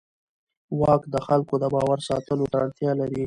واک د خلکو د باور ساتلو ته اړتیا لري.